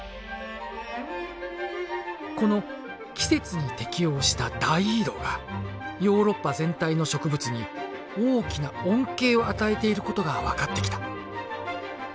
この季節に適応した大移動がヨーロッパ全体の植物に大きな恩恵を与えていることが分かってきた。